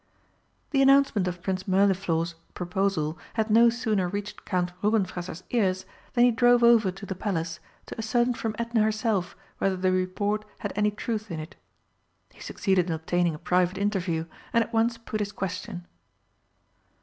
The announcement of Prince Mirlinor's proposal had no sooner reached Count Rubenfresser's ears than he drove over to the Palace, to ascertain from Edna herself whether the report had any truth in it. He succeeded in obtaining a private interview, and at once put his question.